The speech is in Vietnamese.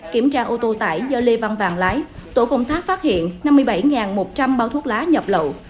kiểm tra ô tô tải do lê văn vàng lái tổ công tác phát hiện năm mươi bảy một trăm linh bao thuốc lá nhập lậu